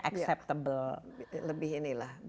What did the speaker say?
acceptable lebih inilah